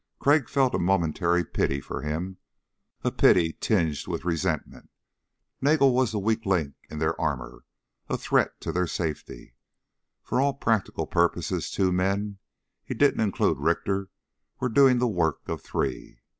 Crag felt a momentary pity for him a pity tinged with resentment. Nagel was the weak link in their armor a threat to their safety. For all practical purposes two men he didn't include Richter were doing the work of three.